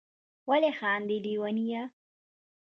ولي خاندی ليونيه